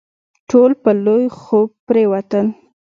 ټول په لوی خوب پرېوتل.